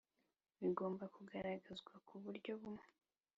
bigomba kugaragazwa ku buryo bumwe